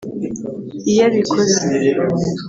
Iyo abikoze